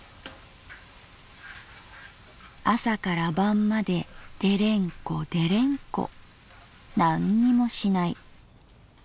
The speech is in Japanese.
「朝から晩までデレンコデレンコ―――なんにもしない。